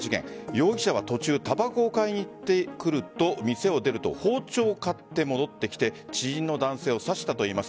容疑者は途中たばこを買いに行ってくると店を出ると包丁を買って戻ってきて知人の男性を刺したといいます。